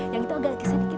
yang itu agak geser sedikit